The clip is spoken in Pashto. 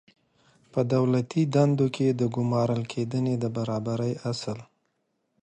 په دولتي دندو کې د ګمارل کېدنې د برابرۍ اصل